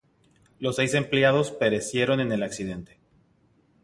Los seis empleados perecieron en el accidente.